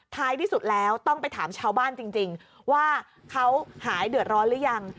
ท้ายที่สุดแล้วต้องไปถามชาวบ้านจริงว่าเขาหายเดือดร้อนหรือยัง